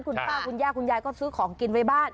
คุณป้าคุณย่าคุณยายก็ซื้อของกินไว้บ้าน